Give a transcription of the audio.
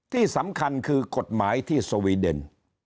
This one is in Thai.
ที่สำคัญคือกฎหมายที่สวีเดน